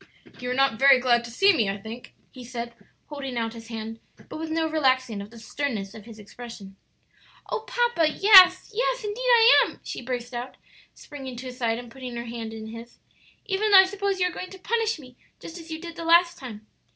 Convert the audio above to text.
"You are not very glad to see me, I think," he said, holding out his hand, but with no relaxing of the sternness of his expression. "Oh, papa, yes! yes, indeed I am!" she burst out, springing to his side and putting her hand in his, "even though I suppose you are going to punish me just as you did the last time."